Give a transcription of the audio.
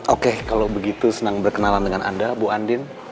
oke kalau begitu senang berkenalan dengan anda bu andin